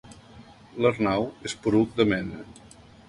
L'Arnau és poruc de mena.